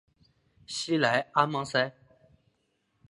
西莱阿芒塞。